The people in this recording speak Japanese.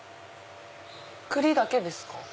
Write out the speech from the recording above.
栗だけですか？